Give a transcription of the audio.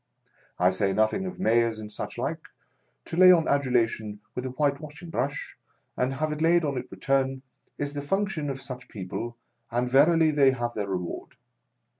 I say nothing of Mayors and such like ;— to lay on adulation with a whitewashing brush and have it laid on in return, is the function of such people, and verily they have their reward.